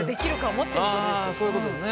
そういうことね。